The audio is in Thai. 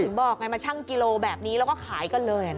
บอกไงมาชั่งกิโลแบบนี้แล้วก็ขายกันเลย